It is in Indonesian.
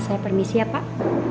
saya permisi ya pak